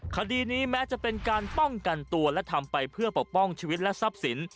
คดีนี้แม้จะเป็นการป้องกันตัวและทำไปเพื่อปกป้องชีวิตและทรัพย์สิน